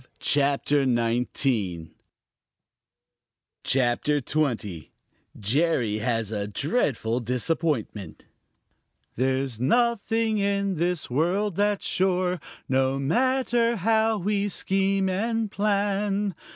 CHAPTER XX: Jerry Has A Dreadful Disappointment There's nothing in this world that's sure, No matter how we scheme and plan.